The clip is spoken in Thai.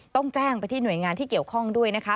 ต้องแจ้งไปที่หน่วยงานที่เกี่ยวข้องด้วยนะคะ